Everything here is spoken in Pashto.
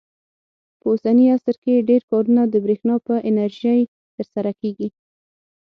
په اوسني عصر کې ډېر کارونه د برېښنا په انرژۍ ترسره کېږي.